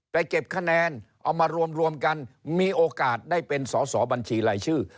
เก็บคะแนนเอามารวมกันมีโอกาสได้เป็นสอสอบัญชีรายชื่อ